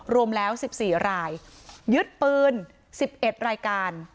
รวมแล้วสิบสี่รายยึดปืนสิบเอ็ดรายการ